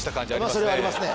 それはありますね